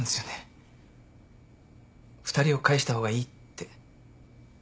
２人を返した方がいいって。